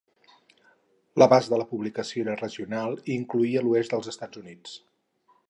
L'abast de la publicació era regional i incloïa l'oest dels Estats Units.